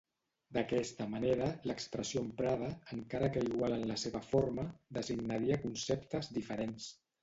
D'aquesta manera, l'expressió emprada, encara que igual en la seva forma, designaria conceptes diferents.